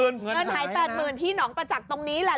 เงินหาย๘๐๐๐ที่หนองประจักษ์ตรงนี้แหละ